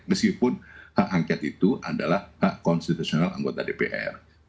meskipun hak angket itu adalah hak konstitusional anggota dpr